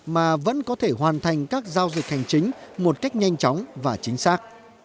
mà vẫn có thể hoàn thành các giao dịch hành chính một cách nhanh chóng và chính xác